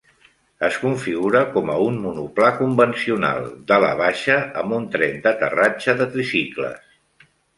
Es configura com a un monoplà convencional, d'ala baixa, amb un tren d'aterratge de tricicles.